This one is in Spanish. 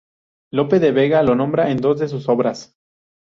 Lope de Vega lo nombra en dos de sus obras.